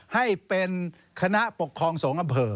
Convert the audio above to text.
ให้เป็นคณะปกครองสงฆ์อำเภอ